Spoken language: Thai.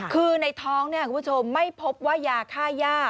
คือในท้องเนี่ยคุณผู้ชมไม่พบว่ายาค่าย่า